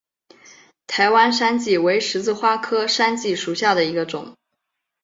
台湾山荠为十字花科山荠属下的一个种。